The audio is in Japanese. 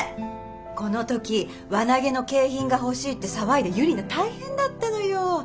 この時輪投げの景品が欲しいって騒いでユリナ大変だったのよ。